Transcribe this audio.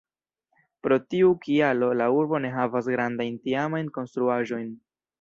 Pro tiu kialo la urbo ne havas grandajn tiamajn konstruaĵojn.